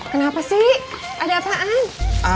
kenapa sih ada apaan